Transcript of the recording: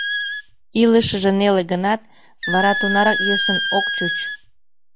Илышыже неле гынат, вара тунарак йӧсын ок чуч.